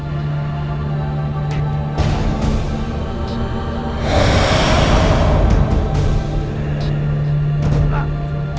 jangan sampai aku disalahkan